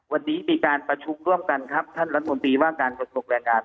วันนี้มีการประชุมร่วมกันครับท่านรัฐมนตรีว่าการกระทรวงแรงงาน